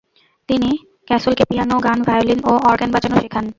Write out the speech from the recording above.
তিনি ক্যাসলকে পিয়ানো, গান, ভায়োলিন ও অর্গান বাজানো শেখান।